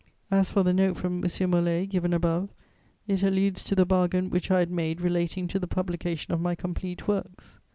As for the note from M. Molé, given above, it alludes to the bargain which I had made relating to the publication of my Complete Works.